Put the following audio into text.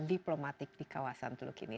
diplomatik di kawasan teluk ini